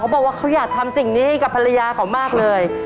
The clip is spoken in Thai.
บอกว่าเขาอยากทำสิ่งนี้ให้กับภรรยาเขามากเลย